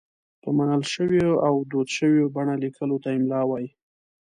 په منل شوې او دود شوې بڼه لیکلو ته املاء وايي.